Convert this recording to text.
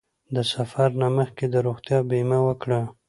د سفر نه مخکې د روغتیا بیمه وکړه.